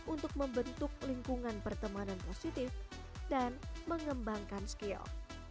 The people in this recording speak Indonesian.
untuk membentuk lingkungan pertemanan positif dan mengembangkan skill